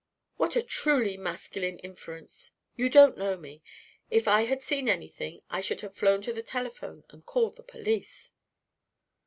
"What a truly masculine inference. You don't know me. If I had seen anything I should have flown to the telephone and called the police."